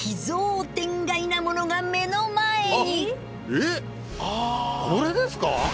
えっこれですか！？